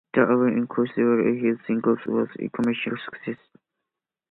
The album includes several hit singles and was a commercial success.